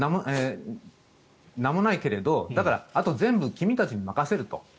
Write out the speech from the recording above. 名もないけれどあと全部、君たちに任せると。